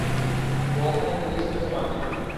ও ওখানে গিয়েছিল তোমার জন্য।